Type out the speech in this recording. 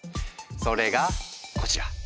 それがこちら！